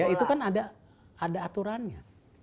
itu kan ada aturannya